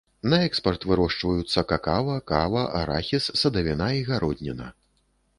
На экспарт вырошчваюцца какава, кава, арахіс, садавіна і гародніна.